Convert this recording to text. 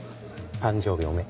誕生日おめ。